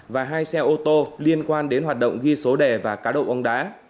và hai xe ô tô liên quan đến hoạt động ghi số đề và cá độ bóng đá